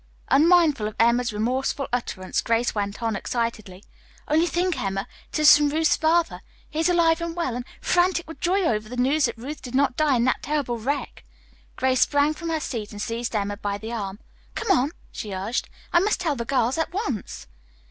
Unmindful of Emma's remorseful utterance, Grace went on excitedly: "Only think, Emma, it is from Ruth's father. He is alive and well and frantic with joy over the news that Ruth did not die in that terrible wreck." Grace sprang from her seat and seized Emma by the arm. "Come on," she urged, "I must tell the girls at once."